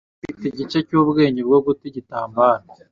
Nari mfite igice cyubwenge bwo guta igitambaro.